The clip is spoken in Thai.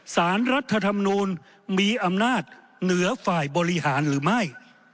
สารรัฐธรรมนูลมีอำนาจเหนือฝ่ายบริหารหรือไม่